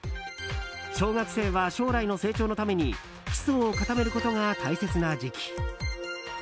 小学生は将来の成長のために基礎を固めることが大切な時期。